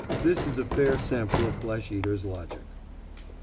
This is a fair sample of flesh eaters' logic.